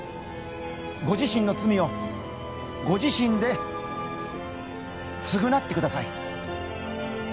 ご自身の罪をご自身で償ってください